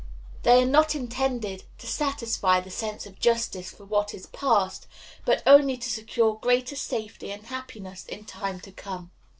They are not intended to satisfy the sense of justice for what is past, but only to secure greater safety and happiness in time to come.